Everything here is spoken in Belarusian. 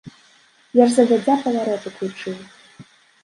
Я ж загадзя паварот уключыў.